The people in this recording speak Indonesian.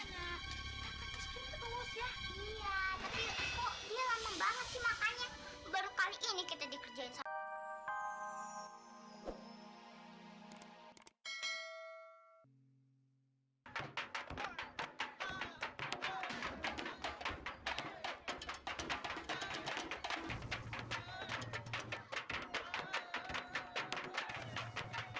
makanya baru kali ini kita dikerjain